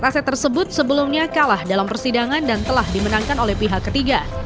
aset tersebut sebelumnya kalah dalam persidangan dan telah dimenangkan oleh pihak ketiga